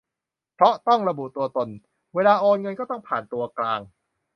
เพราะต้องระบุตัวตน เวลาโอนเงินก็ต้องผ่านตัวกลาง